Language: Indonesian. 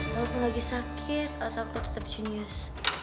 lo pun lagi sakit atau lo tetep jenius